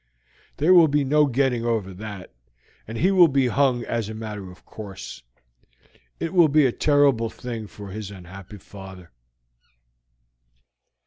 There will be no getting over that, and he will be hung as a matter of course. It will be a terrible thing for his unhappy father."